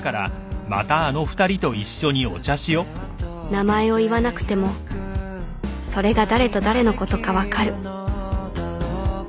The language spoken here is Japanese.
名前を言わなくてもそれが誰と誰のことか分かる